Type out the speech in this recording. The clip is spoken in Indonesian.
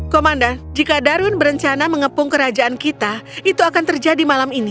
komandan jika darun berencana mengepung kerajaan kita itu akan terjadi malam ini